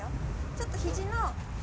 ちょっとひじの。